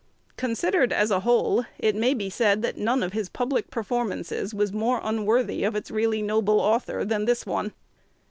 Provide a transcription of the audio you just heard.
Considered as a whole, it may be said that none of his public performances was more unworthy of its really noble author than this one.